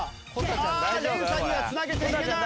ああ連鎖には繋げていけない。